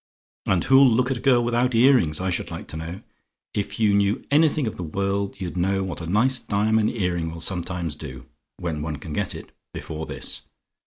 And who'll look at a girl without earrings, I should like to know? If you knew anything of the world, you'd know what a nice diamond earring will sometimes do when one can get it before this.